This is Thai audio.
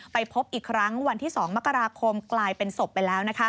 ไปพบอีกครั้งวันที่๒มกราคมกลายเป็นศพไปแล้ว